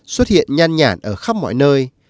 xuất hiện nhàn nhản ở khắp mọi nơi